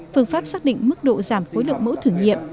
phương pháp xác định mức độ giảm khối lượng mẫu thử nghiệm